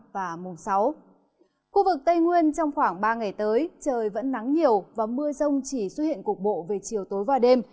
khu vực tây nguyên trong khoảng ba ngày tới trời vẫn nắng nhiều và mưa rông chỉ xuất hiện cục bộ về chiều tối và đêm